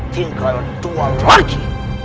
tinggal dua lagi